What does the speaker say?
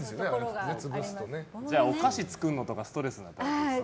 じゃあお菓子作るのとかストレスですか？